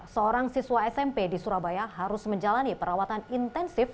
seorang siswa smp di surabaya harus menjalani perawatan intensif